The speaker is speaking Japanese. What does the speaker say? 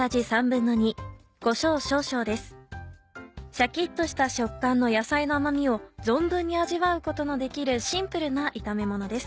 シャキっとした食感の野菜の甘味を存分に味わうことのできるシンプルな炒めものです。